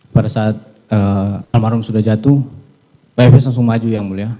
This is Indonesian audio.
pada saat almarhum sudah jatuh pak efes langsung maju yang mulia